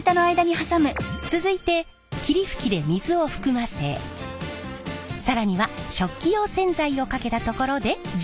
続いて霧吹きで水を含ませ更には食器用洗剤をかけたところで準備は完了。